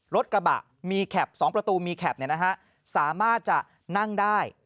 รถกระบะมีแคป๒ประตูมีแคปสามารถจะนั่งได้